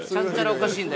おかしいんだ